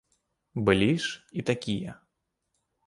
Былі ж і такія.